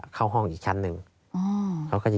เข้าห้องอีกชั้นนึงเขาก็จะ